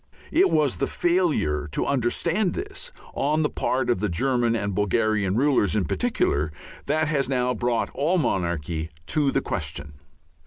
It was the failure to understand this on the part of the German and Bulgarian rulers in particular that has now brought all monarchy to the question.